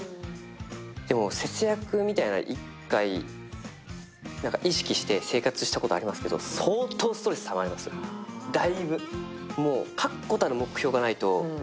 でも節約みたいな、一回、意識して生活したことありますけど相当ストレスたまりますよ、だいぶもう確固たる目標がないと。